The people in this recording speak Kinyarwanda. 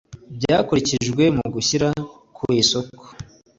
byakurikijwe mu gushyira ku isoko